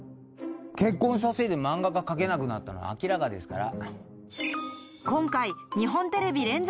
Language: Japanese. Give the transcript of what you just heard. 結婚したせいで漫画が描けなくなったのは明らかですから。